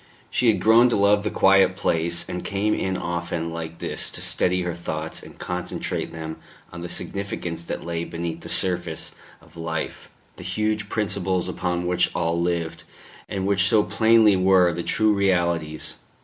She had grown to love the quiet place, and came in often like this to steady her thoughts and concentrate them on the significance that lay beneath the surface of life the huge principles upon which all lived, and which so plainly were the true realities.